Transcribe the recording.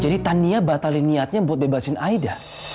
tania batalin niatnya buat bebasin aida